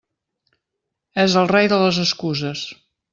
És el rei de les excuses.